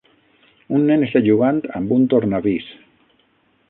Un nen està jugant amb un tornavís.